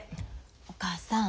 お母さん。